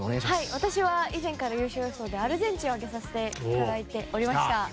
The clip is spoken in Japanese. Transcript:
私は以前から優勝予想でアルゼンチンを挙げさせていただいておりました。